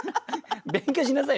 勉強しなさい！